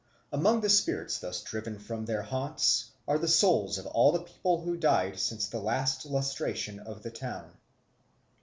Among the spirits thus driven from their haunts are the souls of all the people who died since the last lustration of the town.